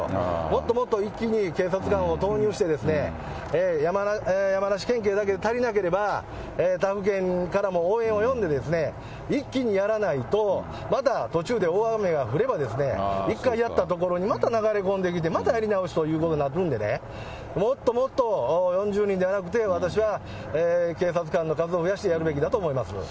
もっともっと一気に警察官を投入して、山梨県警だけで足りなければ、他府県からも応援を呼んでですね、一気にやらないと、また途中で大雨が降れば、１回やった所にまた流れ込んできて、またやり直しということになるんでね、もっともっと４０人じゃなくて、私は警察官の数を増やしてやるべきだと思います。